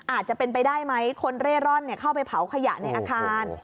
อาจจะเป็นไปได้ไหมคนเร่ร่อนเข้าไปเผาขยะในอาคาร